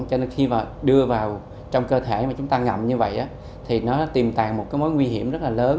cho nên khi mà đưa vào trong cơ thể mà chúng ta ngậm như vậy thì nó tìm tòi một cái mối nguy hiểm rất là lớn